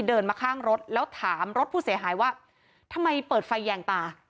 เดินมาข้างรถแล้วถามรถผู้เสียหายว่าทำไมเปิดไฟแยงตา